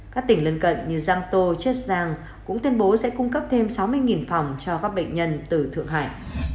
các tỉnh lân cận như giang tô jek giang cũng tuyên bố sẽ cung cấp thêm sáu mươi phòng cho các bệnh nhân từ thượng hải